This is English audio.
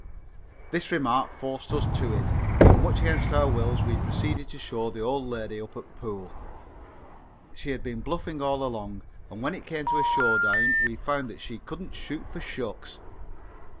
This remark forced us to it, and much against our wills we proceeded to show the old lady up at pool. She had been bluffing all along, and when it came to a showdown we found that she couldn't shoot for shucks.